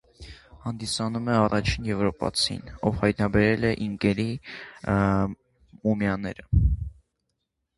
Հանդիսանում է առաջին եվրոպացին, ով հայտնաբերել է ինկերի մումիաներ։